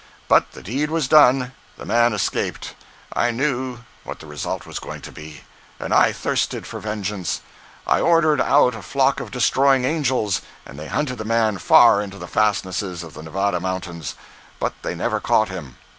But the deed was done—the man escaped. I knew what the result was going to be, and I thirsted for vengeance. I ordered out a flock of Destroying Angels, and they hunted the man far into the fastnesses of the Nevada mountains. But they never caught him.